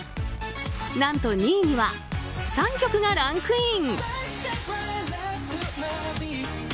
何と２位には３曲がランクイン。